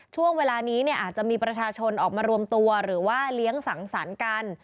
ช่วงเวลานี้เนี่ยอาจจะมีประชาชนออกมารวมตัวหรือว่าเลี้ยงสังสรรค์กัน